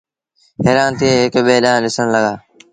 هيرآن ٿئي هڪ ٻي ڏآنٚهنٚ ڏسڻ لڳآ